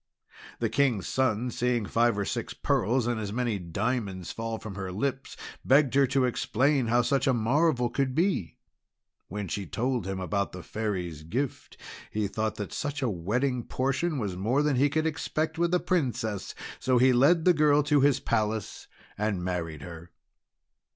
The King's son, seeing five or six pearls and as many diamonds fall from her lips, begged her to explain how such a marvel could be. When she told him about the Fairy's gift, he thought that such a wedding portion was more than he could expect with a Princess, so he led the girl to his palace, and married her.